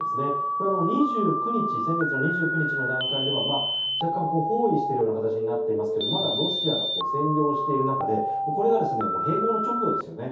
これは、先月２９日の段階では若干包囲しているような形になっていますけどまだ、ロシアが占領している中でこれが、併合の直後ですよね。